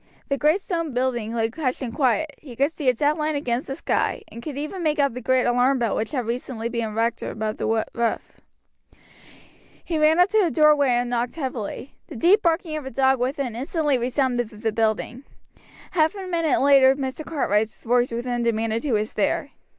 The great stone built building lay hushed in quiet; he could see its outline against the sky, and could even make out the great alarm bell which had recently been erected above the roof. He ran up to the doorway and knocked heavily. The deep barking of a dog within instantly resounded through the building. Half a minute later Mr. Cartwright's voice within demanded who was there.